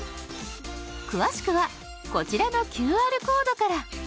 詳しくはこちらのＱＲコードから。